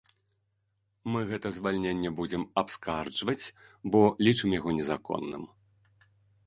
Мы гэта звальненне будзем абскарджваць, бо лічым яго незаконным.